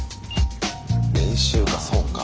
練習かそうか。